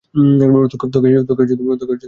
তোকে গাড়ি চালাতে হবে।